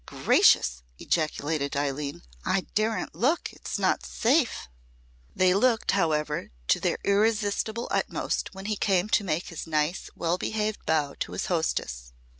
"Gracious!" ejaculated Eileen. "I daren't look! It's not safe!" They looked, however, to their irresistible utmost when he came to make his nice, well behaved bow to his hostess.